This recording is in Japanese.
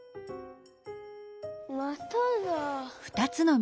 まただ。